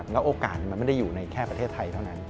แล้วโอกาสมันไม่ได้อยู่ในแค่ประเทศไทยเท่านั้น